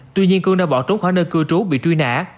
tuy nhiên cương đã bỏ trốn khỏi nơi cư trú bị truy nã